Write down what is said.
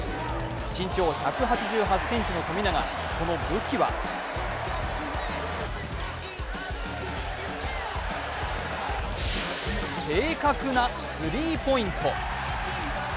身長１８８ｃｍの富永、その武器は正確なスリーポイント。